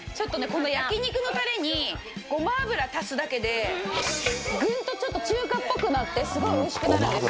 この焼肉のタレにごま油足すだけでグンとちょっと中華っぽくなってすごいおいしくなるんですよ。